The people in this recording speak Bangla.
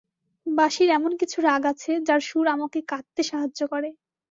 বাঁশির এমন কিছু রাগ আছে, যার সুর আমাকে কাঁদতে সাহায্য করে।